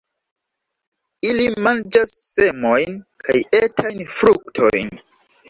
Ili manĝas semojn kaj etajn fruktojn.